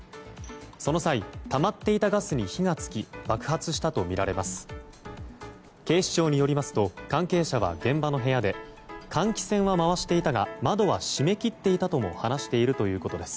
その際たまっていたガスに火が付き爆発したとみられます。